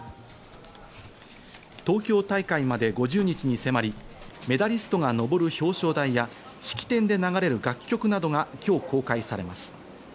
東京大会まで５０日に迫り、メダリストが上る表彰台や、式典で流れる楽曲などが今日公開されます。